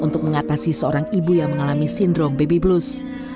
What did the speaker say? untuk mengatasi seorang ibu yang mengalami sindrom baby blues